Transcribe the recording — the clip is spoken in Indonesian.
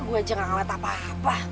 gua juga gak ngelihat apa apa